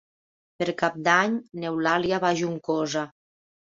Per Cap d'Any n'Eulàlia va a Juncosa.